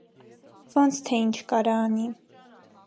- Ո՞նց թե ի՛նչ կարա անի: